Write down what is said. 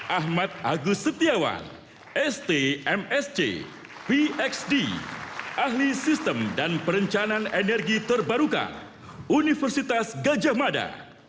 ahmad agus setiawan st msc pxd ahli sistem dan perencanaan energi terbarukan universitas gajah mada